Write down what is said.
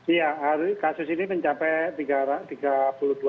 iya kasus ini mencapai tiga puluh dua ribu